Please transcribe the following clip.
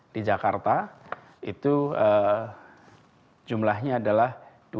di jakarta itu jumlahnya adalah dua puluh satu